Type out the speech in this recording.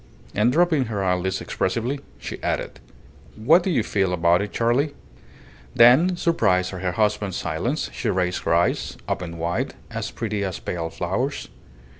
And dropping her eyelids expressively, she added "What do you feel about it, Charley?" Then, surprised at her husband's silence, she raised her eyes, opened wide, as pretty as pale flowers.